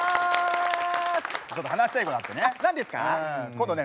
ちょっと話したいことあってね。